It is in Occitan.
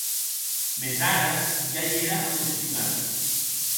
Mès ara ja i ère acostumat.